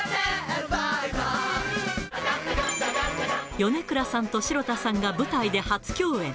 米倉さんと城田さんが舞台で初共演。